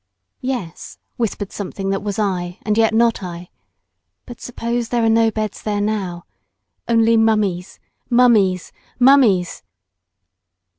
" Yes," whispered something that was I, and yet not I; "but suppose there are no beds there now. Only mummies, mummies, mummies!"